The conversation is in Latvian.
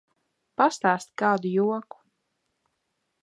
Pastāsti kādu joku!